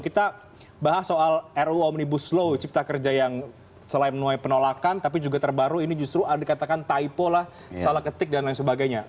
kita bahas soal ruu omnibus law cipta kerja yang selain menuai penolakan tapi juga terbaru ini justru dikatakan typo lah salah ketik dan lain sebagainya